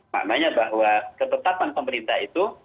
maknanya bahwa ketetapan pemerintah itu